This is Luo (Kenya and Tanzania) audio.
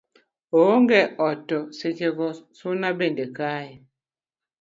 oonge ot to seche go suna bende kaye